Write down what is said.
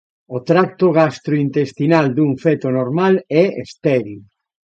O tracto gastrointestinal dun feto normal é estéril.